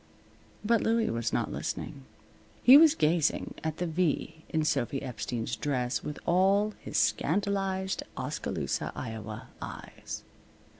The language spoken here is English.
But Louie was not listening. He was gazing at the V in Sophy Epstein's dress with all his scandalized Oskaloosa, Iowa, eyes.